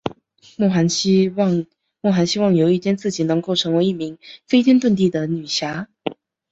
莫涵希望有一天自己能够成为一名飞天遁地的女侠。